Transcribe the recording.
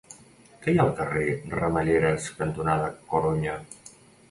Què hi ha al carrer Ramelleres cantonada Corunya?